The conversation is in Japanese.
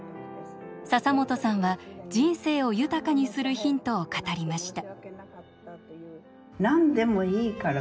笹本さんは人生を豊かにするヒントを語りました。